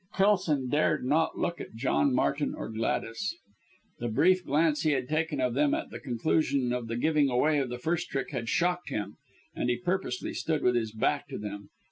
Kelson dared not look at John Martin or Gladys. The brief glance he had taken of them at the conclusion of the giving away of the first trick had shocked him and he purposely stood with his back to them.